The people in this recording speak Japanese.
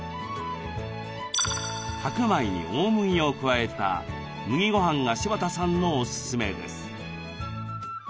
白米に大麦を加えた麦ごはんが柴田さんのおすすめです。